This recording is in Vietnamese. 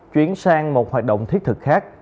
chuyển sang một hoạt động thiết thực khác